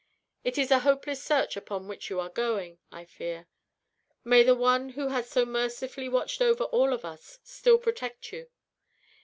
It is a hopeless search upon which you are going, I fear. May the One who has so mercifully watched over all of us, still protect you.